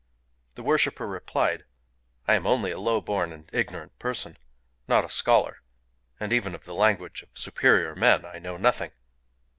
The worshiper replied: "I am only a low born and ignorant person,—not a scholar; and even of the language of superior men I know nothing."